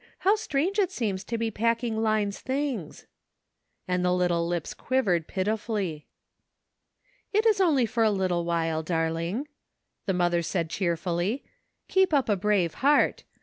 how strange it seems to be packing Line's things," and the little lips quivered pitifully. "It is only for a little while, darling," the mother said cheerfully, "keep up a brave heart.